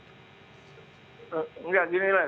enggak gini lah